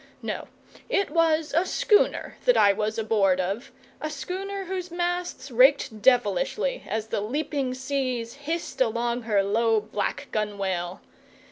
No, it was a schooner that I was aboard of a schooner whose masts raked devilishly as the leaping seas hissed along her low black gunwale.